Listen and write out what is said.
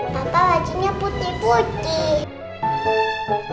papa bajunya putih putih